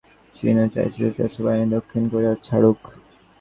চীনও চাইছে যুক্তরাষ্ট্র বাহিনী দক্ষিণ কোরিয়া ছাড়ুক।